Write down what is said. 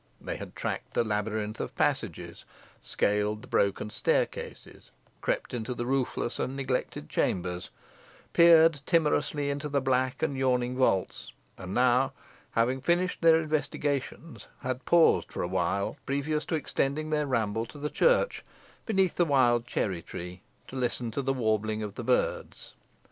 They had tracked the labyrinths of passages, scaled the broken staircases, crept into the roofless and neglected chambers, peered timorously into the black and yawning vaults, and now, having finished their investigations, had paused for awhile, previous to extending their ramble to the church, beneath the wild cherry tree to listen to the warbling of the birds.